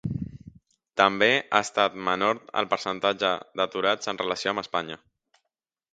També ha estat menor el percentatge d'aturats en relació amb Espanya.